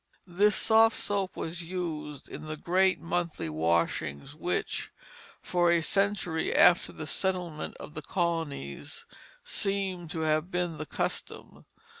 This soft soap was used in the great monthly washings which, for a century after the settlement of the colonies, seem to have been the custom.